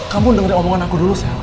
kamu dengerin omongan aku dulu